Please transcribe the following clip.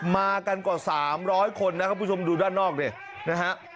มากันกว่า๓๐๐คนนะครับคุณผู้ชมดูด้านนอกดินะฮะ